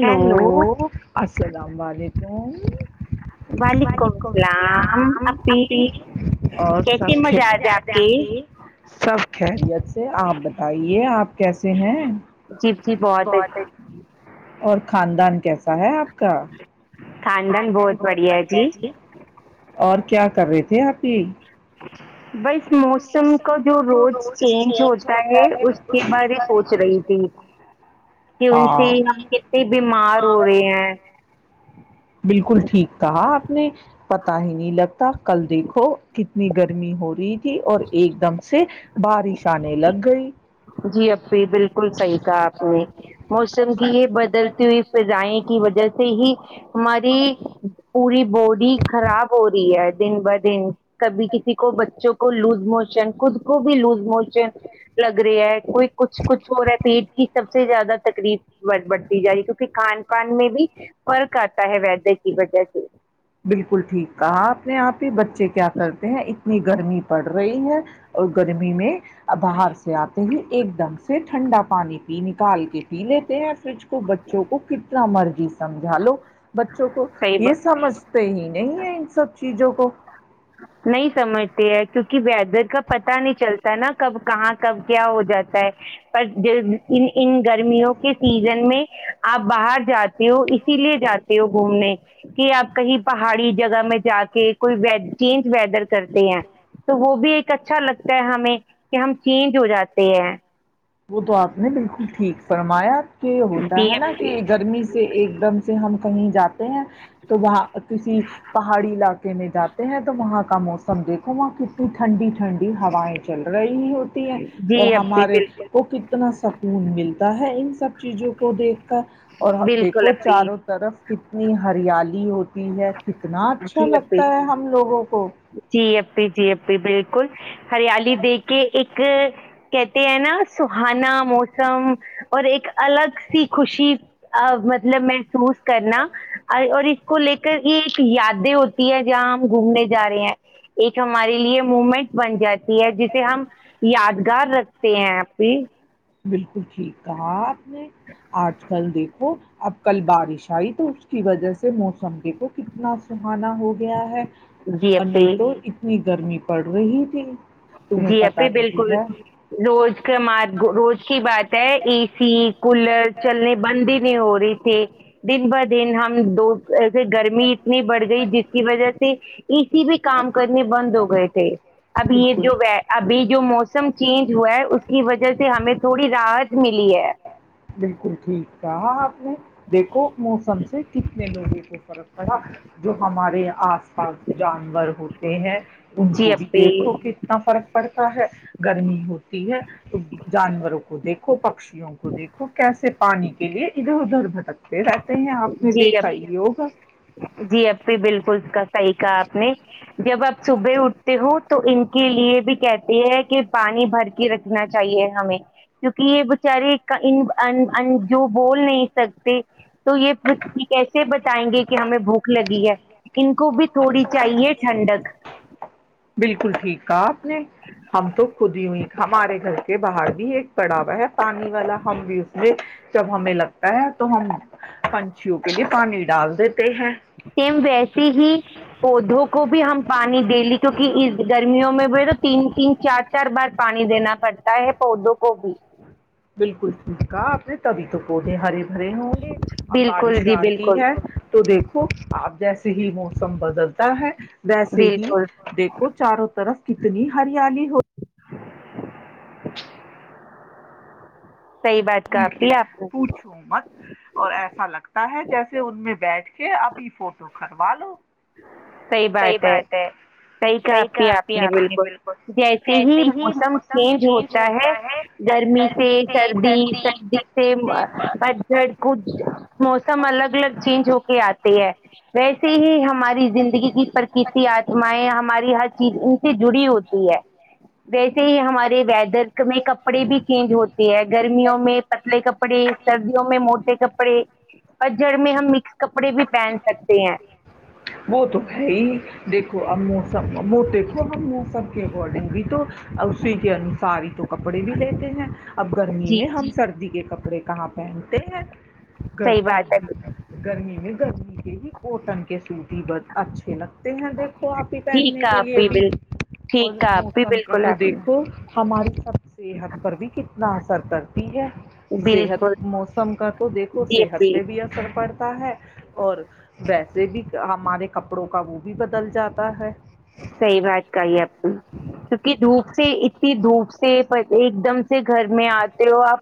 Hello السلام علیکم وعلیکم السلام سلام اپی اور کیسے سب م مزاج آپ کے سب خریت سے آپ بتائیے آپ کیسے ہیں جی بت بہت ا اچ- اور خاندان کیسا ہے آپ خاندن بہت بڑھیا ہے جی اور کیا کر رہے تھے آپ تین [unintelligible] ہ [unintelligible] بس موسم کا جو روز چینج ہوتا ہے اس کے بارے سوچ رہی تھی کہ ان سے ہاں ہم کتنے بیمار ہو رہے ہیں بالکل ٹھیک کہا آپ نے پتا ہی نہیں لگتا ت کل دیکھو کتنی گرمی ہو رہی اور ایک دم سے بارش آنے لگ گئی جی ابھی بالکل صحیح تھا آپ نے موسم کی یہ بدلتی ہوئی فضائیں کی وجہ سے ہی ہماری پوری باڈی خراب ہو رہی ہے دن ب دن کبھی کسی کو بچوں کو لوز موشن خود کو بھی لوز مچے ل رہا ہے کوئی کچھ کچھ ہو رہا ہے پیٹ کی سب سے زیادہ تکلیف بڑھتی جا رہی کیونکہ کھان پان میں بھی فرق آتا ہے ویدر کی وجہ سے بالکل ٹھیک کہا اپنے آپ ہی بچے کیا کرتے ہیں اتنی گرمی پڑ رہی ہے اور گرمی میں باہر سے آتے ہی ایک دم سے ٹھنڈا پانی پی نکال کے پی لیتے ہیں فریج کو بچوں کو ک پام مرگی سمجھا لو بچوں کو صحیح یہ سمجھ توی نہیں ہے س چج کو نہیں سمجھتے ہے کیونکہ ویدر کا پتا نہیں چلتا نا کب کہاں کب کیا ہو جاتا ہے پر ان گرمیوں کے سیزن میں آپ باہر جاتے ہو اسی لیے جاتے ہو گھومنے کہ آپ کہیں پہاڑی جگہ میں جا کے کوئی چینج ویدر کرتے ہیں تو وہ بھی ایک اچھا لگتا ہے ہمیں کہ ہم چینج ہو جاتے ہیں وہ تو آپ نہیں بالکل ٹھیک فرمایا کہ ہوتا جی ہے نا کہ اپی گرمی سے سے ایک دم سے ہم کہیں جاتے ہیں تو وہاں کسی پہاڑی علاقے نہیں جات ہیں تو وہاں کا موسم سم دیکھو وہاں کتنی ٹھنڈی ٹھنڈی ہوائیں چل رہی ہی ہوتی ہے جی اور اپی ہمارے بالکل کو کتنا سکون ملتا ہے ان سب چیزوں کو دیکھ کر اور بالکل دیکھو اپی چاروں طرف کتنی ہریالی ہو [unintelligible] [inaudible] ہے کتنا اچھا جی لگتا اپی ہم لوگوں کو جی اپی جی اپی بالکل ہریالی دیک کے ایک کہتے ہیں نا سہانا موسم اور ایک الگ سی خوشی مطلب محسوس کرنا اور اس کو لے کر یہ ایک یادیں ہوتی ہے جہاں ہم گھومنے جا رہے ہیں ایک ہمارے لیے موومنٹ بن جاتی جسے ہم یاد گھر رکھتے ہیں آپ بھی بالکل ٹھیک کہا آپ نے آج کل دیکھو اب کل بارش ھائی تو اس کی وجہ سے موسم دیکھو کتنا سہانا ہو گیا ہے جی اور اپی نہیں تو اتنی گرمی پڑ رہی تھی تمہیں جی اھی پتہ نہیں بالکل ہے روز کمار روز اچھی بات ہے اے سی کولر چلنے بند ہی نہیں ہو رہ تھی دن ب دن ہم دو ای گرمی اتنی بڑھ گئی جس کی وجہ سے اسی بھی کام کرنے بند ہو گئے تھے اب یہ بالکل ابھی جو موسم چینج ہوا ہے اس کی وجہ سے ہمیں تھوڑی راحت ملی ہے بالکل ٹھیک کہا آپ نے دیکھو موسم سے کتنے لگے فرق پڑا جو ہمارے آس پاس جانور ہوتے ہیں ان جی کو بھی اپی دیکھو کتنا فرق پڑتا ہے گرمی ہوتی ہے تو جانوروں کو دیکھو پکشیوں کو دیکھو کیسے پانی کے لیے ادھر ادھر بھٹکتے رہتے ہیں آپ نے جی دیکھا ہی ہوگا ا جی ای بالکل سی کا آپ نے جب آپ صبح اٹھتے ہو تو ان کے لیے بھی کہتے ہے کہ پانی بھر کے رکھنا چاہیے ہمیں کیونکہ یہ بیچارے جو بول نہیں سکتے تو یہ کیسے آئیں گے کہ ہمیں بھوک لگی ہے ان کو بھی تھوڑی چاہیے ٹھنڈک بالکل ٹھیک تھا آپ نے ہم تو خود ہی ہوئی ہمارے گھر کے باہر بھی ایک پڑاوا ہے پانی والا ہم بھی اس میں جب ہمیں لگتا ہے تو ہونا پنچھیوں کے لیے پانی ڈال دیتے [inaudible] سیم ویسے ہی پودوں کو بھی ہم پانی دے لی کیونکہ اس گرمیوں میں بھی تو تین تین چار چار بار پانی دینا پڑتا ہے پودوں کو بھی بالکل ٹھیک آپ نے تبھی تو پودے ہرے بھرے ہوں گے اب بالکل بارش جی آتی بالکل ہے تو دیکھ آپ جیسے ہی موسم بدلتا ہے ویسے ہی بالکل دیکھو چاروں طرف کتنی ہریالی ہو صحیح بات کہا بھول کے آپی آپ نے پوچھو مت اور ایسا لگتا ہے جیسے ان میں بیٹھ کے ابھی فوٹو [inaudible] صحیح بات ہے صحیح کہای آپ نے بالکل جیسے ہی موسم چینج ہوتا ہے گرمی سے سردی سردی سے ب کچھ موسم الگ الگ چینج ہو کے آتے ہے ویسے ہی ہمارے زندگی کی پرکرتی آتمایں ہماری ہر چیز ان سے جڑی ہوتی ہے ویسے ہی ہمارے ویدر میں کپڑے بھی چینج ہوتے ہیں گرمی میں پتلے کپڑے سردیوں میں موٹے کپڑے پجڑ میں ہم مکس کپڑے بھی پہن سکتے ہیں وہ تو ہے ہی دیکھو اب موسم وہ دیکھو اب موسم کے اکارڈنگ بھی تو اسی کے انوسار ہی تو کپڑے بھی لیتے ہیں اب گرمی جی میں کے کپڑے کہاں پہنتے ہیں گ صحیح سر بات ہے گرمی میں گرمی یہی کوٹن کے سوتی بہت اچھے لگتے ہیں دیکھو آپ ہی ٹھیک پہننے ہے کے آپ لیے بھی بال اور ٹھیک ہے آپ بھی موسم کا بالکل تو آپ نے دیکھو ہماری طر صحت پر بھی کتنا اثر کر صحت بالکل موسم کا تو دیکھو جی صحت اپی پہ بھی اثر پڑتا ہے اور ویسے بھی ہمارے کپڑوں کا وہ بھی بدل جاتا ہے صحیح بات کہی آپ نے کیونکہ دھوپ سے اتنی دھوپ سیپ ہےتے ایک دم گھر میں آتے ہو آپ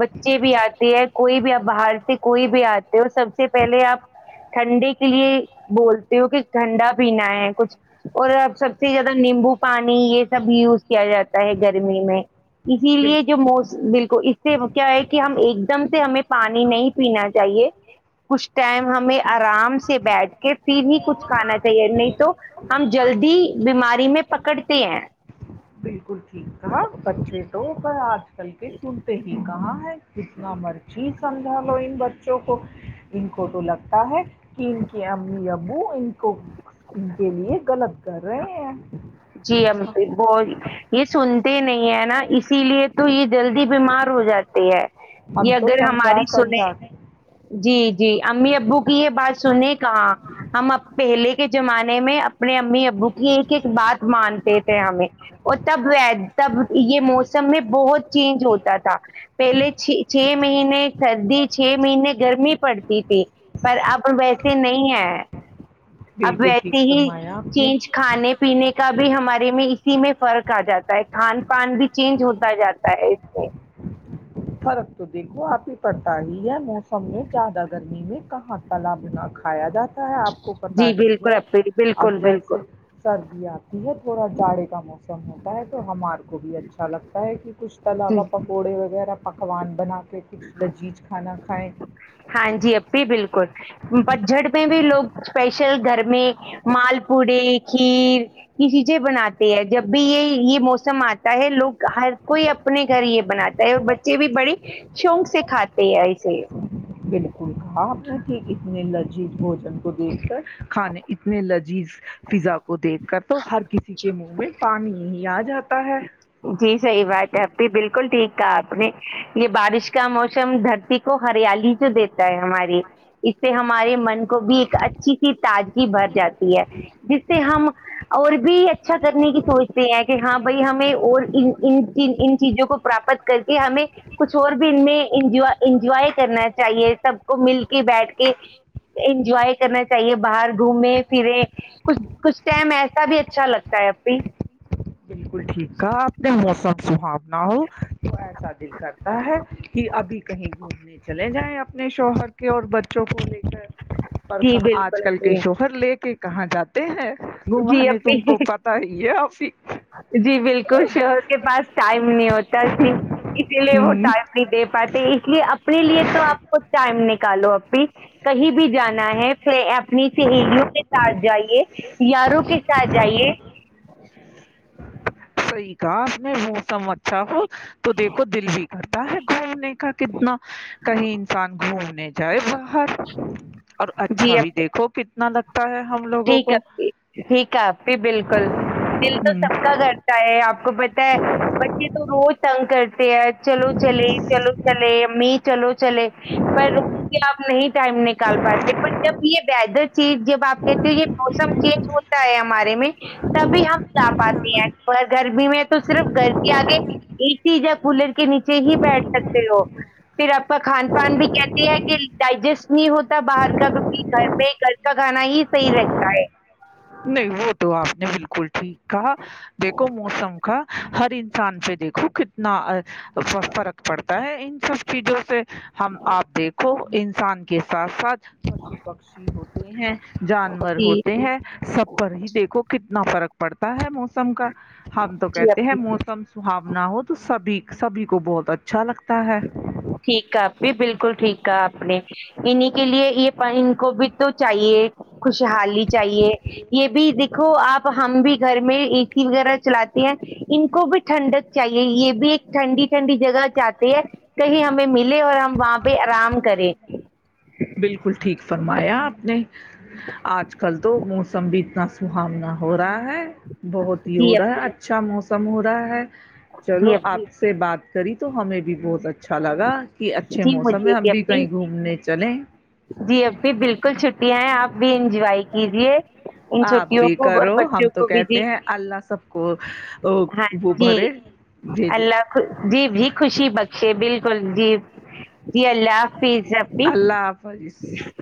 بچے بھی آتے ہیں کوئی بھی آپ باہر سے کوئی بھی آتا سب سے پہلے آپ ٹھنڈے کے لیے بولتے ہو کہ ٹھنڈا پینا ہے کچھ اور آب سب سے زیادہ نیمبو پانی یہ سب بھی یوز کیا جاتا ہوتا ہے گرمی میں اسی لیے بالکل جو موس بالکل اس سے کیا ہے کہ ہم ایک دم سے ہمیں پانی نہیں پینا چاہیے کچھ ٹائم ہمیں آرام سے بیٹھ کے پھر ہی کچھ کھانا چاہیے نہیں تو ہم جلدی بیماری میں پکڑتے ہیں بالکل ٹھیک تھا بچے تو پر آ کل کے سنتے ہی کہاں ہے کتنا مرچیز سمجھا لو ان بچوں کو ان کو تو لگتا ہے کینک ا اب ابو ان کو ان کے لیے غلط کر رہے ہیں جی امپ ب یہ سو نہیں ہے نا اسی لیے تو یہ جلدی بیمار ہو جاتے ہے ہم یہ تو اگر سمجھا ہماری سمجھا سنے جی جی امی ابو کی یہ بات سنے کہاں ہم اب پہلے کے زمانے میں ا اپنی امی ابو کی ایک کہ ایک بات تے تھے ہمیں اور تب تب یہ موسم میں بہت چینج ہوتا تھا پہلے چ چھ مہینے سردی چھ مہینے گرمی پڑتی تھی پر اب ویسے نہیں ہے اب بالکل ٹھیک ویسی ہی فرمایا آپ نے چینج کھانے پینے بھی ہمارے میں اسی میں فرق کہا جاتا ہے کھان پان بھی چینج ہوتا جاتا ہے اس میں فرق تو دیکھو آپ ہی پڑتا ہی ہے موسم میں زیادہ گرمی میں کہاں تالاب نہ کھایا جاتا ہے آپ کو پتا جی ہی بالکل ہے اپی اب بالکل بالکل جسے سردیا آتی یہ تھوڑا جاڑے کا موسم ہوتا ہے تو ہمار کو بھی اچھا لگتا ہے کہ کچھ تو جی علاوہ پکوڑے وغیرہ پکوان بنا کہ کچھ لذیذ کھانا کھائیں ہاں جی اب بھی بالکل پجھٹ میں بھی لوگ اسپیشل گھر میں مال پوڑے کھیر یہ چیزیں بناتے ہیں جب بھی یہ یہ موسم آتا ہے لوگ ہر کوئی اپنے گھر یہ بناتا ہے اور بچے بھی بڑے شوق سے کھاتے ہیں اسے بالکل ہاں یک اتنے لذیذ بوجن کو دیکھ کر کھانے اتنے لذیذ فضا کو دیکھ کر تو ہر کسی کے منہ میں پانی ہی آ جاتا ہے جی صحیح بات ہے اب بھی بالکل ٹھیک آپ نے یہ بارش کا موسم دھرتی کو ہریالی جو دیتا ہماری اس سے ہمارے من کو بھی ایک اچھی سی تازگی بھر جاتی ہے جس سے ہم اور بھی اچھا کرنے کی سوچتے ہیں کہ ہاں بھائی ہمیں اور ان چیزوں کو پراپت کر کے ہمیں کچھ اور بھی ان انجوائے کرنا چاہیے سب کو مل کے بیٹھ کے انجوائے کرنا چاہیے باہر گھومے پھرے کچھ کچھ ٹائم ایسا بھی اچھا لگتا ہے اب بھی بالکل ٹھیک ہے اپنے موسم سحاو نہ ہو تو ایسا دل کرتا ہے کہ ابھی کہیں گھومنے چلے جائیں آپ اپنے شوہر کی اور بد جو کو لے کر پر جی کہاں آج بالکل کل کے اپی شوہر لے کے کہاں جاتے ہیں گگ جی نے اپی تم کو پت ہی ہے کافی جی بالکل شوہر کے پاس ٹائم منی ہو ل اسی لیے وہ ہوں ٹائم نہیں دے پاتی اپنے لیے تو آپ کو ٹائم نکالو اپھی کہیں بھی جانا ہے پ اپنی سہیلیوں کے ساتھ جائی یاروں کی شاید جائیے یکا میں موسم اچھا ہو تو دیکھو دل بھی کرتا ہے گھومنے کا کتنا کہیں انسان گھوم جائے باہر [unintelligible] اور اچھا جی بھی اپی۔ دیکھو کہ نلک ٹھیک ہے ٹھیک ہے ای بالکل دل تو ہوں سب کا گھر آپ کو پتا ہے بچے تو روز تنگ کرتے پ چلو چلے چلو چلے می چلو چلے پر اس کے آپ نہیں ٹائم نکال پاتے پر جب یہ بیدر چیز جب آپ کے موسم چینج ہوتا ہے ہمارے میں تبھی ہم جا پاتتے ہیں گ گھر میں میں تو صرف گھر کے آگے سی ا کولر کے نیچے ہی بیٹھ سکتے ہو پھر آپ کا کھان پان بھی کیا کہ ڈائجسٹ نہیں ہوتا باہر کا کیکہ گھر میں گ کا گانا ہے پ رکھا ہے [unintelligible] نہیں وہ تو آپ نے ب کلٹھی [unintelligible] کہ دیکھو موسم کا ہر انسان سے دیکھو کتنا فرق پڑتا ہے ان س چیزوں سے ہم آپ دیکھو ان انسان کے ساتھ ساتھ پشو پکشی ہوتے ہیں جانور جی ہوتے جی ہیں سب پر ہی دیکھو کتنا فرق پڑتا ہے موسم کا ہم تو جی کہتے ہیں اپی موسم سہاونا ہو تو سبھی سبھی کو بہت اچھا لگتا ہے ٹھیک ہے اھی بالکل ٹھیک ہے انیں کے لیے یہ پر ان کو بھی تو چاہیے خوشحالی چاہیے یہ بھی دیکھو آپ ہم بھی گھر میں اے سی وغیرہ چلاتے ہیں ان کو بھی ٹھنڈک چاہیے یہ بھی ایک ٹھنڈی ٹھنڈی جگہ جات کہیں ہمیں ملے اور ہم وہاں پہ آرام کریں بالکل ٹھیک فرمایا آپ نے آج کل تو موسم بھی اتنا سہونا ہو رہا ہے بہت ہی ہو جی رہا ہے اپی اچھا موسم سمہرا ہے [unintelligible] جی چلو اپی آپ سے بات کری تو ہمیں بھی بہت اچھا لگا کہ اچھے جی موسم ہے مجھے ہم بھی اپی کہیں گھومنے چلیں جی اآپی بالکل چھٹیاں ہیں آپ بھی انجوائے کیجیے ان آپ چھوٹیوں بھی کو اور کرو ہم بچوں تو کو بھی جی کہتے ہیں اللہ سب کو ہاں وہ جی بھرے بھیجے اللہ خ جی بھی خوشی بخشے بالکل جی جی ال ال اللہ حافظظ [unintelligible]